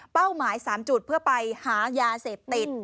เป้ไมล์๓จุดเพื่อไปหายาเสพติด